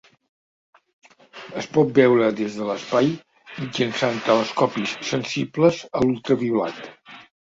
Es pot veure des de l'espai mitjançant telescopis sensibles a l'ultraviolat.